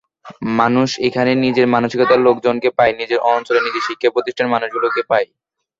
মানুষ এখানে নিজের মানসিকতার লোকজনকে পায়, নিজের অঞ্চলের, নিজের শিক্ষাপ্রতিষ্ঠানের মানুষগুলোকে পায়।